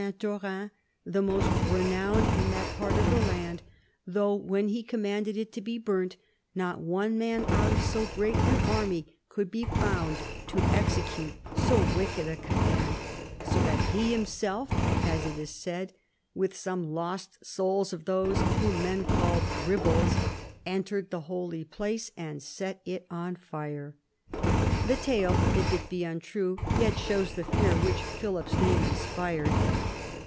Taurin, the most renowned in that part of the land, though when he commanded it to be burnt, not one man out of so great an army could be found to execute so wicked a com mand, so that he himself, as it is said, with some lost souls of those whom men call 'Ribalds,' entered the holy place and set it on fire." The tale, if it be untrue, yet shows the fear which Philip's name inspired.